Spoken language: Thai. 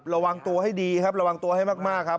ระวังตัวให้ดีครับระวังตัวให้มากครับ